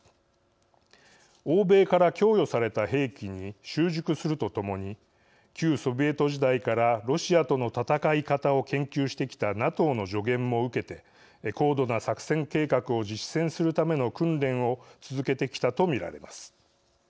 欧米から供与された兵器に習熟するとともに旧ソビエト時代からロシアとの戦い方を研究してきたＮＡＴＯの助言も受けて高度な作戦計画を実践するための訓練を続けてきたと見られます。